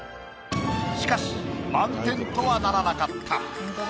しかし満点とはならなかった。